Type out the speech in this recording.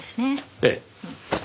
ええ。